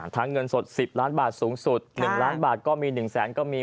เงินสด๑๐ล้านบาทสูงสุด๑ล้านบาทก็มี๑แสนก็มี